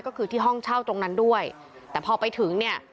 ก็คือที่ห้องเช่าตรงนั้นด้วยแต่พอไปถึงเนี่ย